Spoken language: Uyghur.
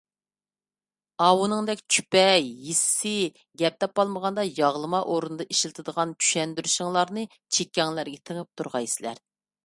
ئاۋۇنىڭدەك چۈپەي، ھېسسىي، گەپ تاپالمىغاندا ياغلىما ئورنىدا ئىشلىتىدىغان چۈشەندۈرۈشلىرىڭلارنى چېكەڭلەرگە تېڭىپ تۇرغايسىلەر.